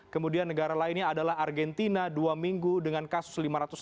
kemudian negara lainnya adalah argentina dua minggu dengan kasus lima ratus enam puluh